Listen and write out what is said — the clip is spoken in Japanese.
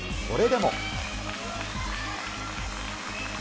それでも。